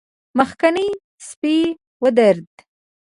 مخکينی سپی ودرېد.